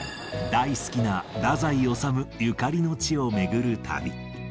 大好きな太宰治ゆかりの地を巡る旅。